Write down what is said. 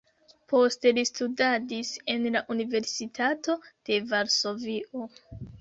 Poste li studadis en la Universitato de Varsovio.